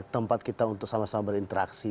tempat kita untuk sama sama berinteraksi